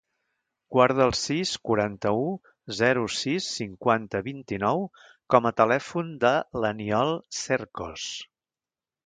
Guarda el sis, quaranta-u, zero, sis, cinquanta, vint-i-nou com a telèfon de l'Aniol Cercos.